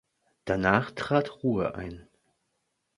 Danach trat Ruhe ein.